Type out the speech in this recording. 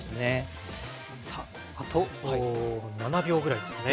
さああと７秒ぐらいですね。